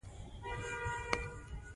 یوازی وایي دا قران که سیپارې ساتی